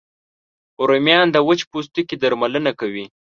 رومیان د وچ پوستکي درملنه کوي